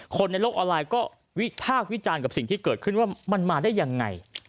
ในโลกออนไลน์ก็วิพากษ์วิจารณ์กับสิ่งที่เกิดขึ้นว่ามันมาได้ยังไง